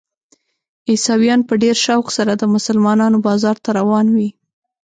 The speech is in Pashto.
عیسویان په ډېر شوق سره د مسلمانانو بازار ته روان وي.